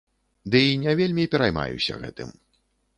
Ды і не вельмі пераймаюся гэтым.